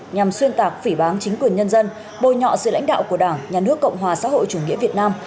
nhằm xuyên tạc phỉ bán chính quyền nhân dân bồi nhọ sự lãnh đạo của đảng nhà nước cộng hòa xã hội chủ nghĩa việt nam